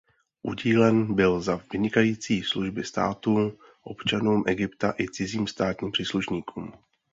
Udílen byl za vynikající služby státu občanům Egypta i cizím státním příslušníkům.